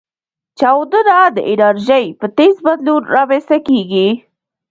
چاودنه د انرژۍ په تیز بدلون رامنځته کېږي.